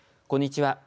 こんにちは。